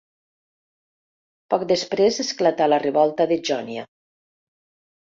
Poc després esclatà la revolta de Jònia.